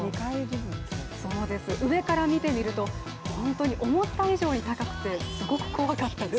上から見てみると、本当に思った以上に高くてすごく怖かったです。